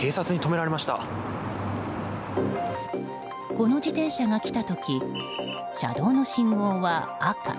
この自転車が来た時車道の信号は赤。